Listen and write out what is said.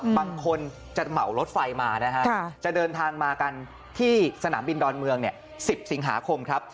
บางคนจะเหมารถไฟมานะฮะจะเดินทางมากันที่สนามบินดอนเมือง๑๐สิงหาคมครับ